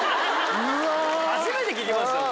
初めて聞きましたよ。